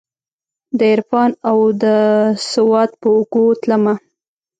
دعرفان اودسواد په اوږو تلمه